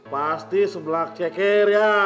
pasti sebelah ceker ya